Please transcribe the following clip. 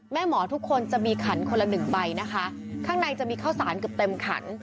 หมอทุกคนจะมีขันคนละหนึ่งใบนะคะข้างในจะมีข้าวสารเกือบเต็มขัน